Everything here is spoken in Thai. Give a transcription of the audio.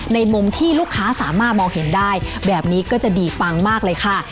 ในมุมที่ลูกค้าสามารถมองเห็นได้แบบนี้ก็จะดีปังมากเลยค่ะ